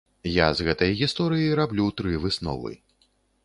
Я з гэтай гісторыі раблю тры высновы.